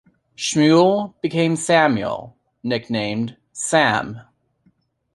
Schmuel became Samuel, nicknamed Sam.